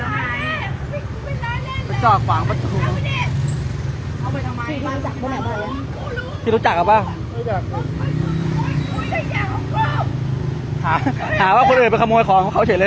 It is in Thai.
ไม่รู้จักหาหาว่าคนอื่นไปขโมยของเขาเฉยเลย